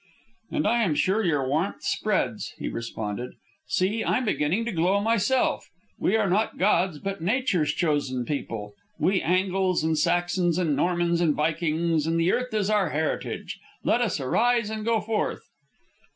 "And I am sure your warmth spreads," he responded. "See, I'm beginning to glow myself. We are not God's, but Nature's chosen people, we Angles, and Saxons, and Normans, and Vikings, and the earth is our heritage. Let us arise and go forth!"